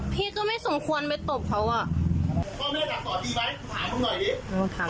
พ่อแม่ให้คำคำบีหรือยัง